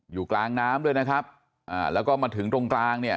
อยู่กลางน้ำด้วยนะครับอ่าแล้วก็มาถึงตรงกลางเนี่ย